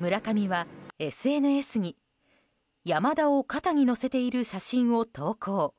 村上はＳＮＳに、山田を肩に乗せている写真を投稿。